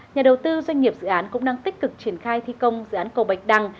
nhà đầu tư doanh nghiệp dự án cũng đang tích cực triển khai thi công dự án cầu bạch đăng